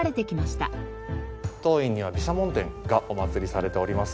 当院には毘沙門天がお祭りされております。